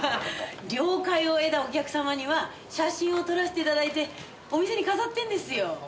了解を得たお客様には写真を撮らせて頂いてお店に飾ってんですよ。